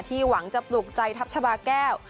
หวังจะปลูกใจทัพชาบาแก้ว